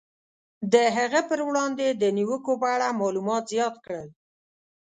د هغه پر وړاندې د نیوکو په اړه معلومات زیات کړل.